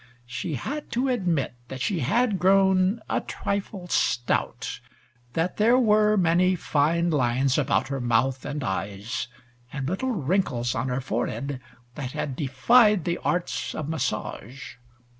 She had to admit that she had grown a trifle stout, that there were many fine lines about her mouth and eyes, and little wrinkles on her forehead that had defied the arts of massage.